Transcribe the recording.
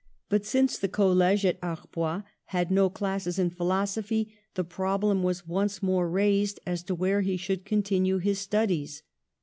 But, since the college at Arbois had no classes in philosophy, the problem was once more raised as to where he should continue, his studies.